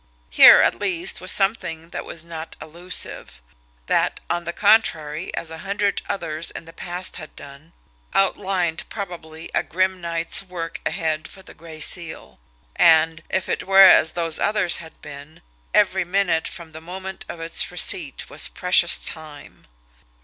Here, at least, was something that was not elusive; that, on the contrary, as a hundred others in the past had done, outlined probably a grim night's work ahead for the Gray Seal! And, if it were as those others had been, every minute from the moment of its receipt was precious time.